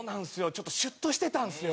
ちょっとシュッとしてたんですよ。